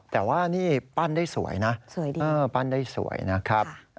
แต่ว่านี่ปั้นได้สวยนะปั้นได้สวยนะครับ